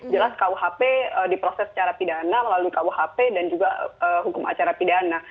jelas kuhp diproses secara pidana melalui kuhp dan juga hukum acara pidana